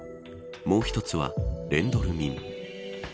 もう一つはレンドルミン。